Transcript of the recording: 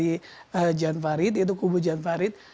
jadi jan farid yaitu kubu jan farid